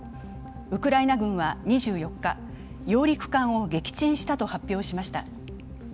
ウクライナ軍は２４日、揚陸艦を撃沈したと発表しました。